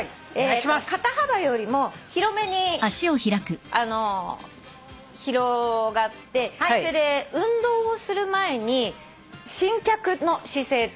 肩幅よりも広めに広がって運動をする前に伸脚の姿勢っていうの。